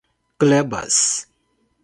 glebas